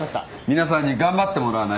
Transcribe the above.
皆さんに頑張ってもらわないと。